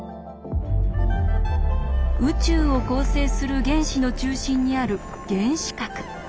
宇宙を構成する原子の中心にある原子核。